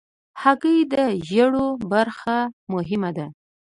هګۍ د ژیړو برخه مهمه ده.